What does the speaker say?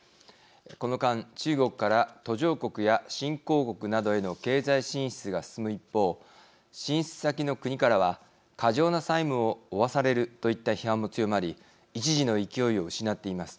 この間中国から途上国や新興国などへの経済進出が進む一方進出先の国からは過剰な債務を負わされるといった批判も強まり一時の勢いを失っています。